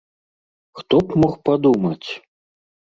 Хто б мог падумаць?!